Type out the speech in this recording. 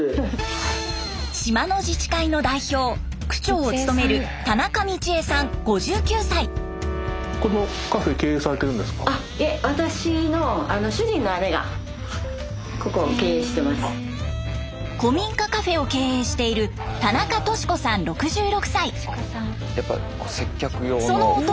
島の自治会の代表区長を務める古民家カフェを経営しているその弟